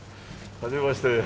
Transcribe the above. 初めまして。